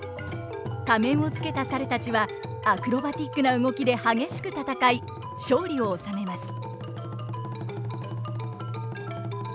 仮面をつけた猿たちはアクロバティックな動きで激しく戦い勝利を収めます。